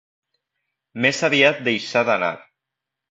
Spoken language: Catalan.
Més aviat deixada anar.